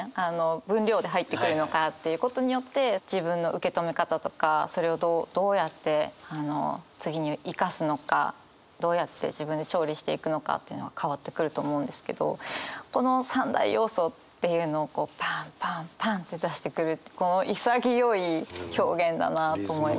分量で入ってくるのかということによって自分の受け止め方とかそれをどうどうやって次に生かすのかどうやって自分で調理していくのかというのは変わってくると思うんですけどこの３大要素っていうのをこうパンパンパンって出してくるって潔い表現だなと思います。